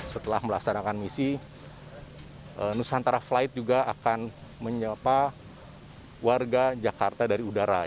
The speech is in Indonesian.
setelah melaksanakan misi nusantara flight juga akan menyapa warga jakarta dari udara